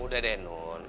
udah deh nun